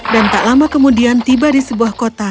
dan tak lama kemudian tiba di sebuah kota